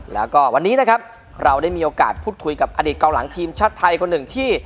แล้วก็วันนี้นะครับเราได้มีโอกาสพูดคุยกับอดีตกองหลังทีมชาติไทยคนหนึ่งที่